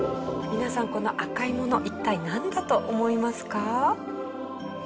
皆さんこの赤いもの一体なんだと思いますか？